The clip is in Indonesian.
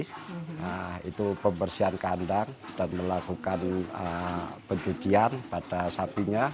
nah itu pembersihan kandang dan melakukan penyujian pada kandang